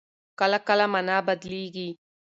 کله کله مانا بدلېږي.